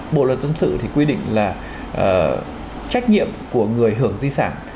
bộ luật dân sự thì quy định là trách nhiệm của người hưởng di sản